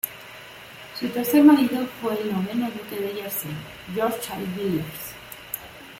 Su tercer marido fue el noveno Duque de Jersey, Georges Child-Villiers.